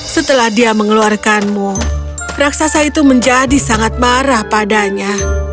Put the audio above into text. setelah dia mengeluarkanmu raksasa itu menjadi sangat marah padanya